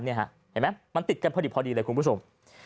เห็นไหมมันติดกันพอดีเลยคุณผู้ชม